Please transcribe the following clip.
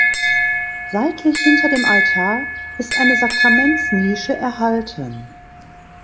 Seitlich hinter dem Altar ist eine Sakramentsnische erhalten.